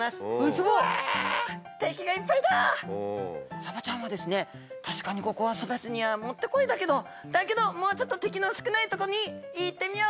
サバちゃんはですね「確かにここは育つにはもってこいだけどだけどもうちょっと敵の少ないとこに行ってみよう！